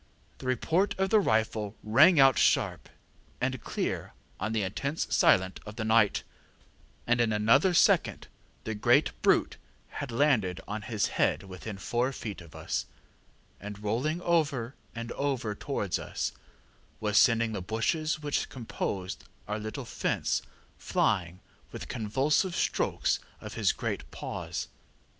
The report of the rifle rang out sharp and clear on the intense silence of the night, and in another second the great brute had landed on his head within four feet of us, and rolling over and over towards us, was sending the bushes which composed our little fence flying with convulsive strokes of his great paws.